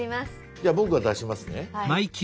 じゃあ僕が出しますね。